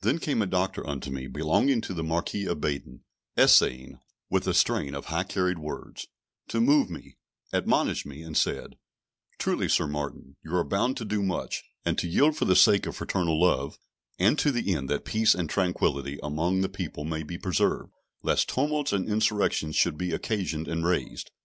Then came a Doctor unto me, belonging to the Marquis of Baden, essaying, with a strain of high carried words, to move me, admonished me, and said: "Truly, Sir Martin, you are bound to do much, and to yield for the sake of fraternal love, and to the end that peace and tranquillity among the people may be preserved, lest tumults and insurrections should be occasioned and raised.